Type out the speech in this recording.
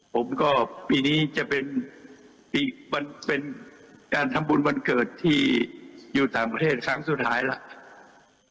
ผมก็ปีนี้จะเป็นการทำบุญวันเกิดที่อยู่ต่างประเทศครั้งสุดท้ายแล้ว